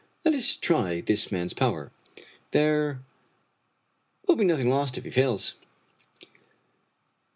Let us try this man's power. There will be nothing lost if he fails."